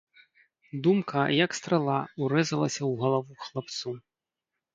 Думка, як страла, урэзалася ў галаву хлапцу.